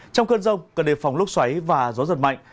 trong cơn rông cần đề phòng lúc xoáy và gió giật mạnh